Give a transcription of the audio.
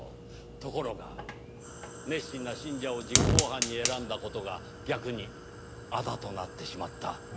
ところが熱心な信者を実行犯に選んだ事が逆にあだとなってしまった。